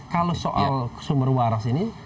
kalau soal sumber waras ini